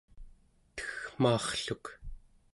teggmaarrluk